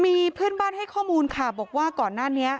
มีเพื่อนบ้านให้ข้อมูลค่ะบอกว่าก่อนหน้านี้